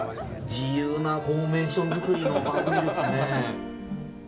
自由なフォーメーション作りの番組ですね。